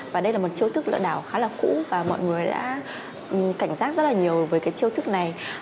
và đây là một chiêu thức lừa đảo khá là cũ và mọi người đã cảnh giác rất là nhiều với cái chiêu thức này